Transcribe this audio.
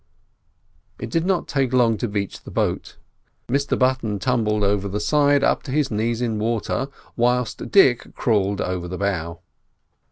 It did not take long to beach the boat. Mr Button tumbled over the side up to his knees in water, whilst Dick crawled over the bow.